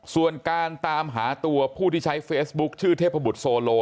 ส่วนการตามหาตัวผู้ที่ใช้เฟซบุ๊คชื่อเทพบุตรโซโล